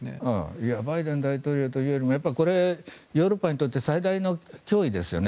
バイデン大統領というよりもこれはヨーロッパにとって最大の脅威ですよね